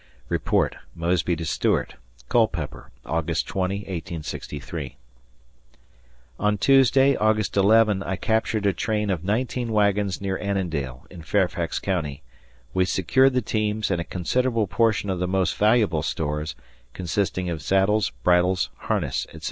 [Report, Mosby to Stuart] Culpeper, August 20, 1863. On Tuesday, August 11, I captured a train of 19 wagons near Annandale, in Fairfax County. We secured the teams and a considerable portion of the most valuable stores, consisting of saddles, bridles, harness, etc.